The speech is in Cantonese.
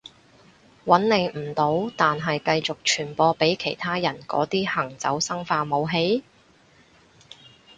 搵你唔到但係繼續傳播畀其他人嗰啲行走生化武器？